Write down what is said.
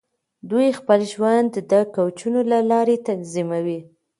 دوی خپل ژوند د کوچونو له لارې تنظیموي.